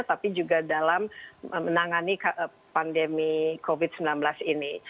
tapi juga dalam menangani pandemi covid sembilan belas ini